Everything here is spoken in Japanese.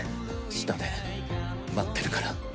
下で待ってるから。